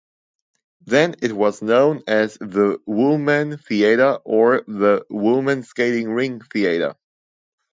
Then it was known as The Wollman Theater or "The Wollman Skating Rink Theater".